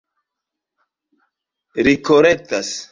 Ri korektas.